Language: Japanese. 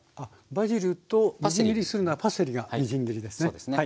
バジルとみじん切りするのはパセリがみじん切りですね。